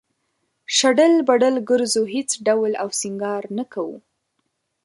شډل بډل گرځو هېڅ ډول او سينگار نۀ کوو